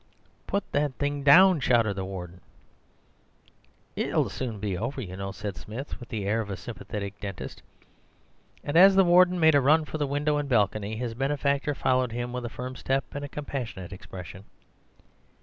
"'Put that thing down,' shouted the Warden. "'It'll soon be over, you know,' said Smith with the air of a sympathetic dentist. And as the Warden made a run for the window and balcony, his benefactor followed him with a firm step and a compassionate expression.